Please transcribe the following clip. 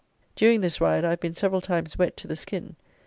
During this ride I have been several times wet to the skin.